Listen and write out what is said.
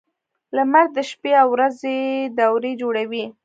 • لمر د شپې او ورځې دورې جوړوي.